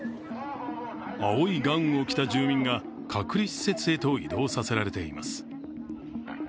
青いガウンを着た住民が隔離施設へと移動させられています。